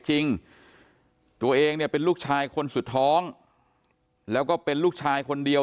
จริงตัวเองเนี่ยเป็นลูกชายคนสุดท้องแล้วก็เป็นลูกชายคนเดียว